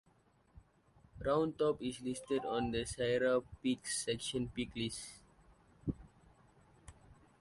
Round Top is listed on the Sierra Peaks Section peak list.